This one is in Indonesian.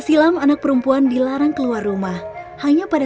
perencanaan dan perkembangan lampion digunakan adalah untuk menjauhkan anak virgin